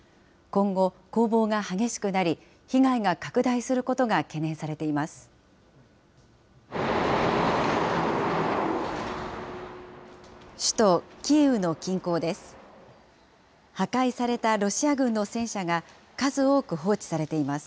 今後、攻防が激しくなり、被害が拡大することが懸念されています。